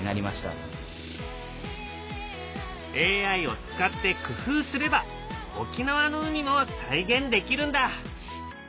ＡＩを使って工夫すれば沖縄の海も再現できるんだ。